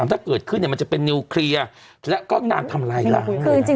ถ้าเกิดขึ้นเนี่ยมันจะเป็นนิวเคลียร์แล้วก็การทำลายล่ะ